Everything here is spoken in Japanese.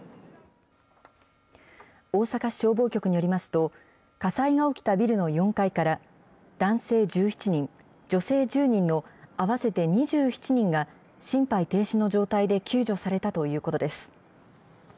大阪市消防局によりますと、火災が起きたビルの４階から、男性１７人、女性１０人の合わせて２７人が、心肺停止の状態で救助されたということです。